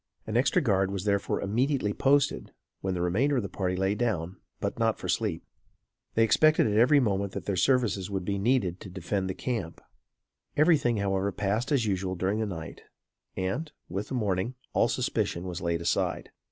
An extra guard was therefore immediately posted, when the remainder of the party lay down; but, not for sleep. They expected at every moment that their services would be needed to defend the camp. Everything however passed as usual during the night; and, with the morning, all suspicion was laid aside.